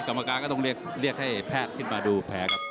กรรมการก็ต้องเรียกให้แพทย์ขึ้นมาดูแผลครับ